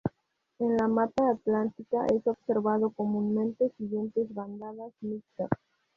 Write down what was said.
En la mata atlántica es observado comúnmente siguiendo bandadas mixtas.